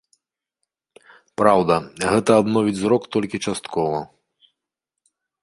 Праўда, гэта адновіць зрок толькі часткова.